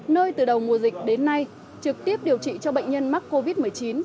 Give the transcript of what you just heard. nơi từ đầu mùa dịch đến nay trực tiếp điều trị cho bệnh nhân mắc covid một mươi chín